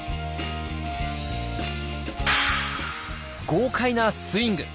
豪快なスイング！